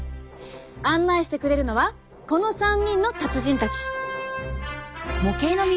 案内してくれるのはこの３人の達人たち！